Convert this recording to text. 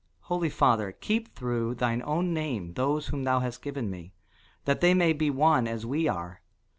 Holy Father, keep through thine own name those whom thou hast given me, that they may be one, as we are.